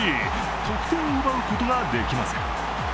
得点を奪うことができません。